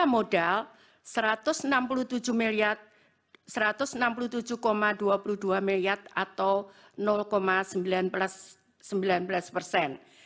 rp satu ratus enam puluh tujuh dua puluh dua miliar atau sembilan belas persen